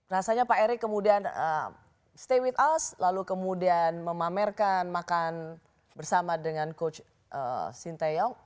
rasanya pak erik kemudian stay with us lalu kemudian memamerkan makan bersama dengan coach sinta young